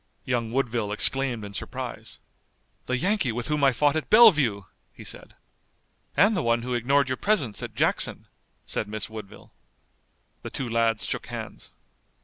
Young Woodville exclaimed in surprise. "The Yankee with whom I fought at Bellevue!" he said. "And the one who ignored your presence at Jackson," said Miss Woodville. The two lads shook hands.